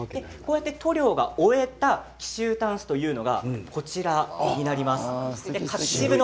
塗料を終えた紀州箪笥というのは、こちらになります。